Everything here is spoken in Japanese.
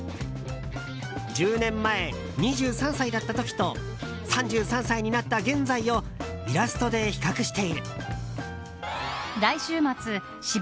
１０年前、２３歳だった時と３３歳になった現在をイラストで比較している。